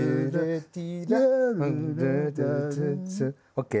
ＯＫ！